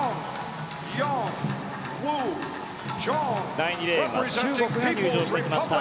第２レーンは中国が入場してきました。